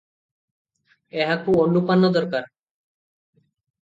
ଏହାକୁ ଅନୁପାନ ଦରକାର ।